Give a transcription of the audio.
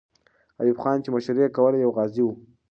ایوب خان چې مشري یې کوله، یو غازی وو.